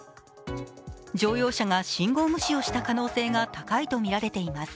乗用車が信号無視をした可能性が高いとみられています。